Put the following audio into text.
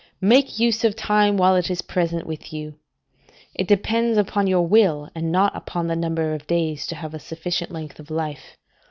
Make use of time while it is present with you. It depends upon your will, and not upon the number of days, to have a sufficient length of life.